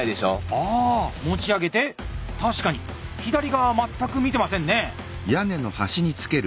ああ持ち上げて確かに左側は全く見てませんね。